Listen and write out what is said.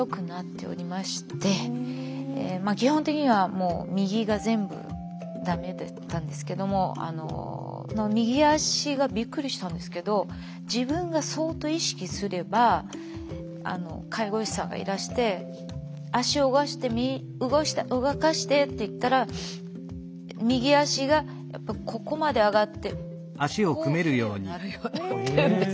基本的にはもう右が全部ダメだったんですけども右足がびっくりしたんですけど自分が相当意識すれば介護士さんがいらして「足動かしてみ動かして」と言ったら右足がここまで上がってこうするようになるようになっているんです。